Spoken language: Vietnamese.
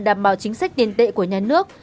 đảm bảo chính sách tiền tệ của nhà nước